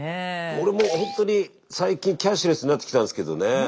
俺もほんとに最近キャッシュレスになってきたんですけどね。